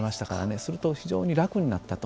すると非常に楽になったと。